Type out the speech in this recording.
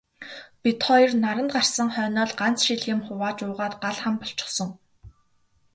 Бид хоёр наранд гарсан хойноо ганц шил юм хувааж уугаад гал хам болчихсон.